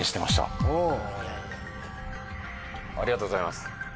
ありがとうございます。